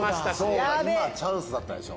今チャンスだったでしょ。